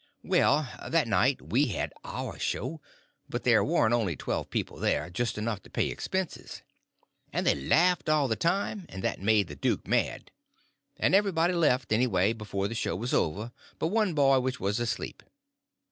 Well, that night we had our show; but there warn't only about twelve people there—just enough to pay expenses. And they laughed all the time, and that made the duke mad; and everybody left, anyway, before the show was over, but one boy which was asleep.